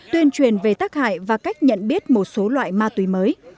tuyên truyền về tác hại và cách nhận biết một số loại ma túy mới